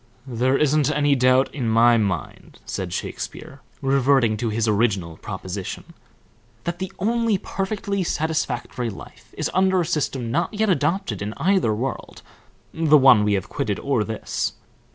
"There isn't any doubt in my mind," said Shakespeare, reverting to his original proposition, "that the only perfectly satisfactory life is under a system not yet adopted in either world the one we have quitted or this.